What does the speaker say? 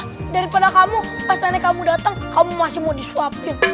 eh daripada kamu pas nenek kamu datang kamu masih mau disuapin